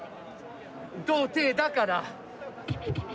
童貞だから。